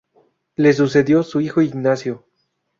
Le sucedió su hijo Ignacio.